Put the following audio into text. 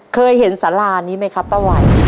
เคยเห็นสารานี้ไหมครับป้าวัย